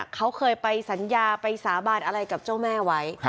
เขาเคยไปสัญญาไปสาบานอะไรกับเจ้าแม่ไว้